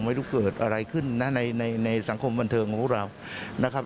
ไม่รู้เกิดอะไรขึ้นนะในในสังคมบันเทิงของเรานะครับ